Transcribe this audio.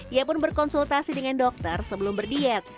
ia pun berkonsultasi dengan dokter sebelum berdiet